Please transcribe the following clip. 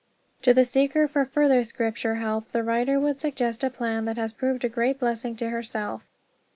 To the seeker for further Scripture help the writer would suggest a plan that has proved a great blessing to herself.